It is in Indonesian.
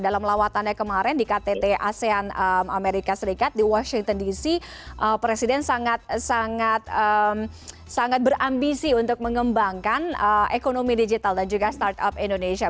dalam lawatannya kemarin di ktt asean amerika serikat di washington dc presiden sangat berambisi untuk mengembangkan ekonomi digital dan juga startup indonesia